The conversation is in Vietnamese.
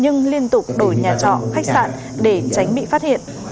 nhưng liên tục đổi nhà trọ khách sạn để tránh bị phát hiện